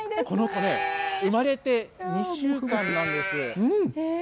この子ね、生まれて２週間なんです。